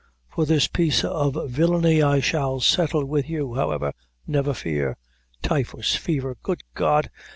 For this piece of villany I shall settle with you, however, never fear. Typhus fever! Good God!